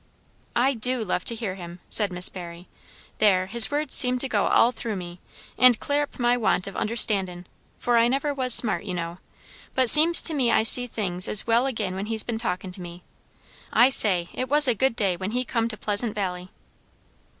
"I do love to hear him!" said Miss Barry. "There, his words seem to go all through me, and clear up my want of understandin'; for I never was smart, you know; but seems to me I see things as well agin when he's been talkin' to me. I say, it was a good day when he come to Pleasant Valley."